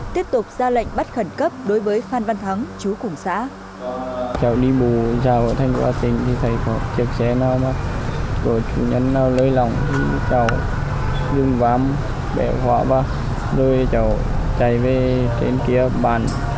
tiếp tục ra lệnh bắt khẩn cấp đối với phan văn thắng chú cùng xã